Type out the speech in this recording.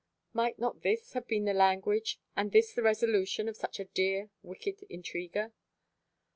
Might not this have been the language, and this the resolution, of such a dear wicked intriguer?